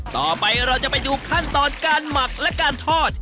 ต่อไปเราจะไปดูขั้นตอนการหมักและการทอด